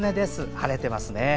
晴れていますね。